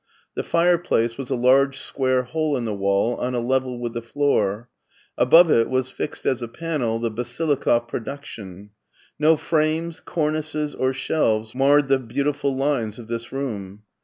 The fireplace was a large square hole in the wall, on a level with the floor. Above it was fixed as a panel the Basilikoff production. No frames, cornices, or shelves marred the beautiful lines of this room.